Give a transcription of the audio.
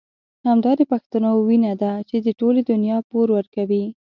همدا د پښتنو وينه ده چې د ټولې دنيا پور ورکوي.